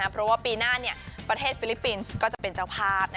เพราะว่าปีหน้าประเทศฟิลิปปินส์ก็จะเป็นเจ้าภาพ